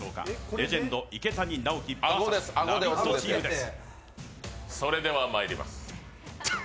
レジェンド・池谷直樹ＶＳ「ラヴィット！」チームです。